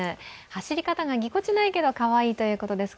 走り方がぎこちないけど、かわいいということです。